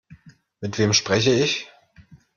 Mit wem spreche ich?